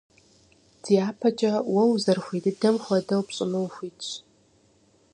ДяпэкӀэ, уэ узэрыхуей дыдэм хуэдэу пщӀыну ухуитщ.